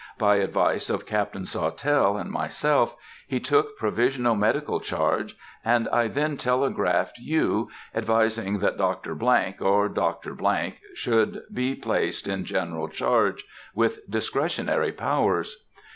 By advice of Captain Sawtelle and myself, he took provisional medical charge, and I then telegraphed you, advising that Dr. —— or Dr. —— should be placed in general charge, with discretionary powers.